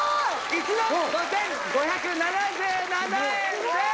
１万５５７７円です。